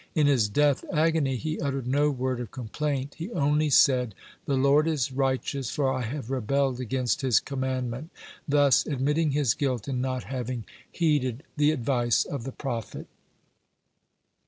In his death agony he uttered no word of complaint; he only said: "The Lord is righteous, for I have rebelled against His commandment," thus admitting his guilt in not having heeded the advice of the prophet.